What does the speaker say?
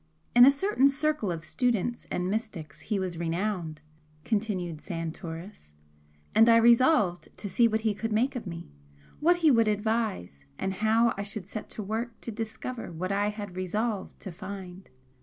"In a certain circle of students and mystics he was renowned," continued Santoris, "and I resolved to see what he could make of me what he would advise, and how I should set to work to discover what I had resolved to find.